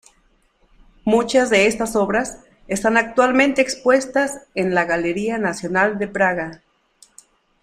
Muchas de estas obras están actualmente expuestas en la Galería Nacional de Praga.